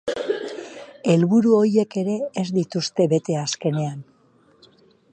Helburu horiek ere ez dituzte bete azkenean.